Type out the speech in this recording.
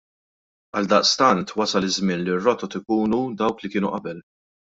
Għaldaqstant wasal iż-żmien li r-rotot ikunu dawk li kienu qabel.